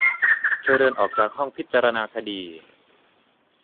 เธอเดินออกจากห้องพิจารณาคดี